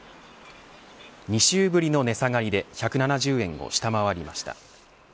２週ぶりの値下がりで１７０円を下回りました。